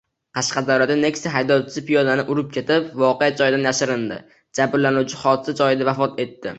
Qashqadaryoda Nexia haydovchisi piyodani urib ketib, voqea joyidan yashirindi. Jabrlanuvchi hodisa joyida vafot etdi